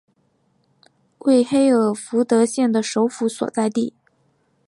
为黑尔福德县的首府所在地。